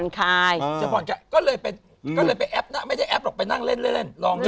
ก็เลยไปแอปส์นะไม่ได้แอปส์หรอกไปนั่งเล่นลอง